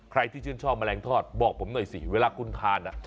ที่ชื่นชอบแมลงทอดบอกผมหน่อยสิเวลาคุณทาน